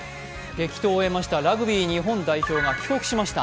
激闘を終えましたラグビー日本代表が帰国しました。